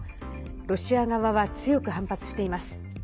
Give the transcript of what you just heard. ロシア側は強く反発しています。